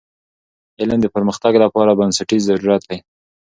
علم د پرمختګ لپاره بنسټیز ضرورت دی.